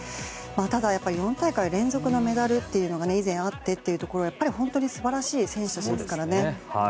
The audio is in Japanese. ただ、４大会連続のメダルというのが以前あってというところで素晴らしい選手たちですからね。